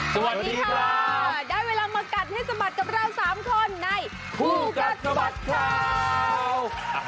สวัสดีค่ะได้เวลามากัดให้สะบัดกับเรา๓คนในคู่กัดสะบัดข่าว